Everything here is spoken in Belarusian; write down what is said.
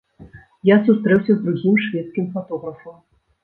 Я сустрэўся з другім шведскім фатографам.